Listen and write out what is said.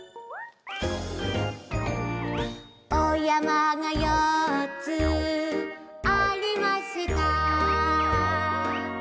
「お山が４つありました」